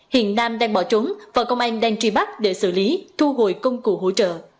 hiện nam đang bỏ trốn và công an đang truy bắt để xử lý thu hồi công cụ hỗ trợ